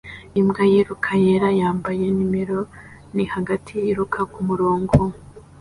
Imbwa yiruka yera yambaye nimero ni hagati yiruka kumurongo